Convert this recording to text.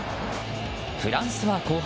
フランスは後半。